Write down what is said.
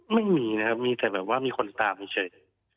ไม่มีนะครับมีแต่แบบว่ามีคนตามเฉย